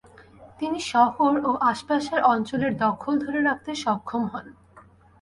তিনি শহর ও আশপাশের অঞ্চলের দখল ধরে রাখতে সক্ষম হন।